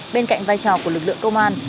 bên cạnh vai trò của lực lượng công an